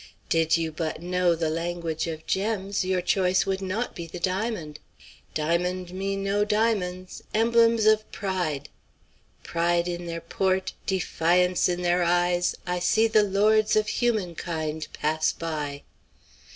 Did you but know the language of gems, your choice would not be the diamond. 'Diamond me no diamonds,' emblems of pride 'Pride in their port, defiance in their eye, I see the lords of humankind pass by.'